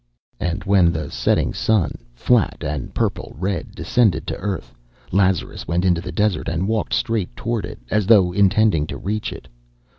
And when the setting sun, flat and purple red, descended to earth, Lazarus went into the desert and walked straight toward it, as though intending to reach it.